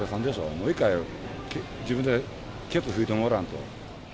もう一回、自分でけつ拭いてもらわんと。